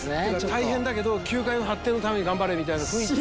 大変だけど球界の発展のために頑張れみたいな雰囲気。